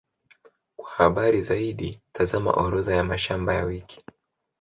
Kwa habari zaidi, tazama Orodha ya mashamba ya wiki.